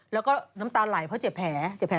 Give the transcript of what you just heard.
แล้วก็น้ำตาไหลเพราะเจ็บแผล